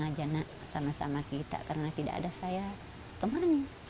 saya sudah pulang saja nak sama sama kita karena tidak ada saya kemana